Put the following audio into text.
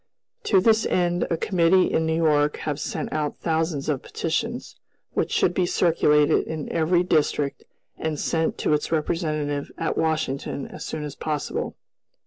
To this end a committee in New York have sent out thousands of petitions, which should be circulated in every district and sent to its representative at Washington as soon as possible.